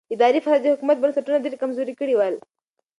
اداري فساد د حکومت بنسټونه ډېر کمزوري کړي ول.